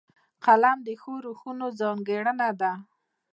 قلم د ښو روحونو ځانګړنه ده